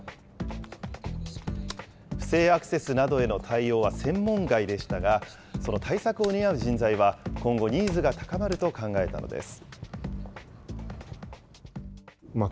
不正アクセスなどへの対応は専門外でしたが、その対策を担う人材は今後、ニーズが高まると考えたのです。